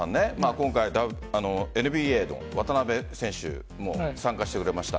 今回、ＮＢＡの渡邊選手も参加してくれました。